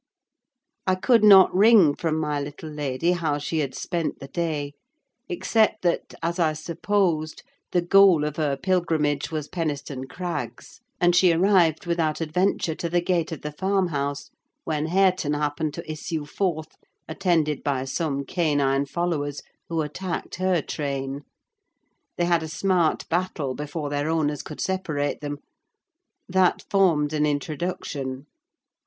I could not wring from my little lady how she had spent the day; except that, as I supposed, the goal of her pilgrimage was Penistone Crags; and she arrived without adventure to the gate of the farmhouse, when Hareton happened to issue forth, attended by some canine followers, who attacked her train. They had a smart battle, before their owners could separate them: that formed an introduction.